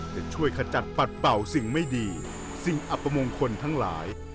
จะช่วยขจัดปัดเป่าสิ่งไม่ดีสิ่งอัปมงคลทั้งหลาย